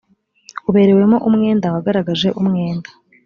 uberewemo umwenda wagaragaje umwenda